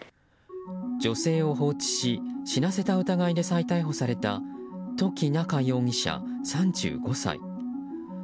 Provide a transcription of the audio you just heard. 女性を放置し死なせた疑いで再逮捕された土岐菜夏容疑者、３５歳。